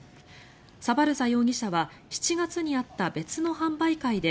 サバルザ容疑者は７月にあった別の販売会で